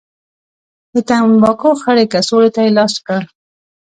د تنباکو خړې کڅوړې ته يې لاس کړ.